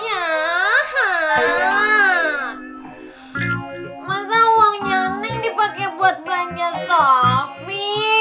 abang jahat masa uangnya neng dipake buat belanja sopi